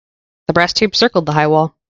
The brass tube circled the high wall.